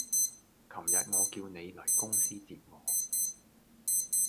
琴日我叫你嚟公司接我